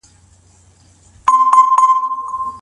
روژه ماتی بې خرما نه وي.